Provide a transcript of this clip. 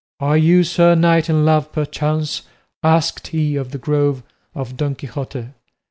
"Are you, sir knight, in love perchance?" asked he of the Grove of Don Quixote.